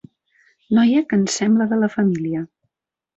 Noia que ens sembla de la família.